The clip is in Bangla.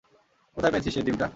কোথায় পেয়েছিস এই ডিমটা?